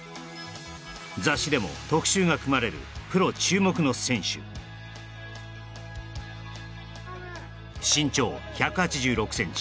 雑誌でも特集が組まれるプロ注目の選手身長１８６センチ